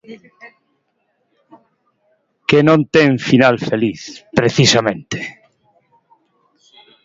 Que non ten final feliz, precisamente.